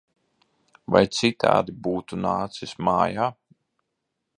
Vai citādi būtu nācis mājā!